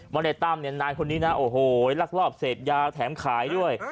ในตั้มเนี่ยนายคนนี้นะโอ้โหลักลอบเสพยาแถมขายด้วย